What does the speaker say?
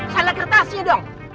salah kertasnya dong